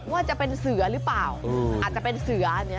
ว่าจะเป็นเสือหรือเปล่าอาจจะเป็นเสือ